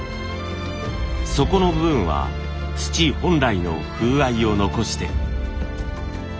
底の部分は土本来の風合いを残して。